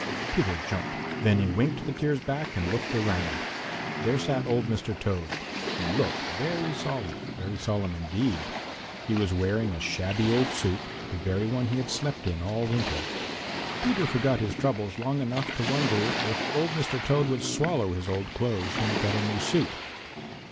Peter jumped. Then he winked the tears back and looked around. There sat old Mr. Toad. He looked very solemn, very solemn indeed. He was wearing a shabby old suit, the very one he had slept in all winter. Peter forgot his troubles long enough to wonder if old Mr. Toad would swallow his old clothes when he got a new suit.